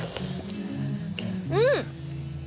うん！